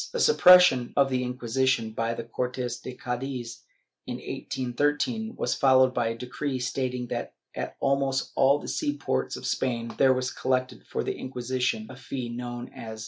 The suppression of the Inquisition by the Cortes of Cddiz, in 1813, was followed by a decree stating that at almost all the sea ports of Spain there was collected for the Inquisition a fee known as « Bibl.